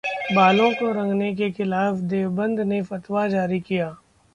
बालों को रंगने के खिलाफ देवबंद ने फतवा जारी किया